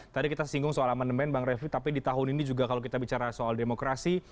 tadi kita singgung soal amandemen bang refli tapi di tahun ini juga kalau kita bicara soal demokrasi